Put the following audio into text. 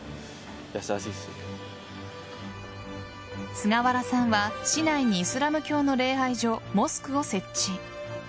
菅原さんは市内にイスラム教の礼拝所モスクを設置。